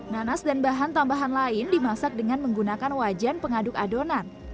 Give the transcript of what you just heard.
nanas dan bahan tambahan lain dimasak dengan menggunakan wajan pengaduk adonan